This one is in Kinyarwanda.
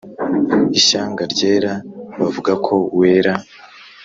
ishyanga ryera bavuga ko wera